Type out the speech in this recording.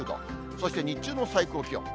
そして日中の最高気温。